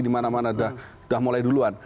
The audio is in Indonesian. di mana mana sudah mulai duluan